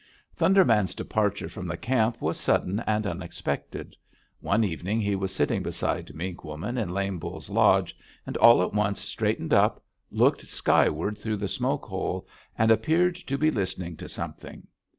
"Thunder Man's departure from the camp was sudden and unexpected. One evening he was sitting beside Mink Woman in Lame Bull's lodge, and all at once straightened up, looked skyward through the smoke hole, and appeared to be listening to something.